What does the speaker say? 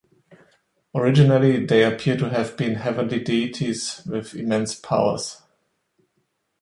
Originally, they appear to have been heavenly deities with immense powers.